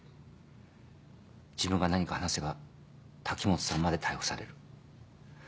自分が何か話せば滝本さんまで逮捕される。